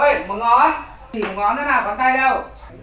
chỉ một ngón thôi nào con tay đâu